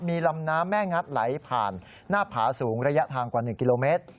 มีลำน้ำแม่งัดไหลผ่านหน้าผาสูงระยะทางกว่า๑กิโลเมตร